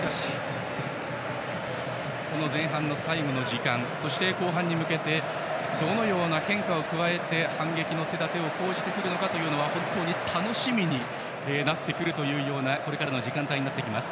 この前半の最後の時間後半に向けてどのような変化を加えて反撃の手立てを講じてくるかが本当に楽しみになってくるようなこれからの時間帯です。